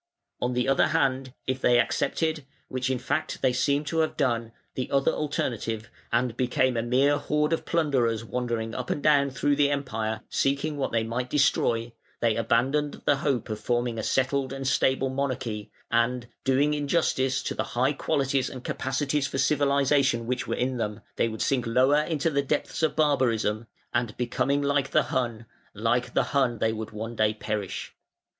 On the other hand, if they accepted (which in fact they seem to have done) the other alternative, and became a mere horde of plunderers wandering up and down through the Empire, seeking what they might destroy, they abandoned the hope of forming a settled and stable monarchy, and, doing injustice to the high qualities and capacities for civilisation which were in them, they would sink lower into the depths of barbarism, and becoming like the Hun, like the Hun they would one day perish.